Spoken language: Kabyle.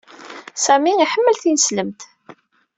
Samy iḥemmel tineslemt.